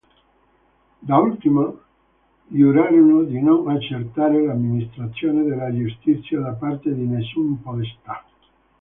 Da ultimo giurarono di non accettare l'amministrazione della giustizia da parte di nessun podestà.